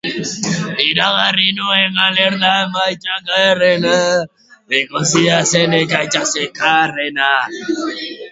Zuk ere gutarra izan nahi duzu?